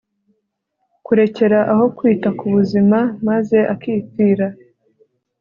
kurekera aho kwita ku buzima maze akipfira